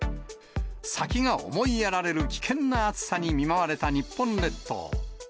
先が思いやられる危険な暑さに見舞われた日本列島。